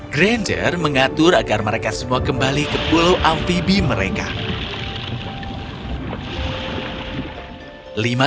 granger mengatur agar mereka semua kembali ke pulau amfibi mereka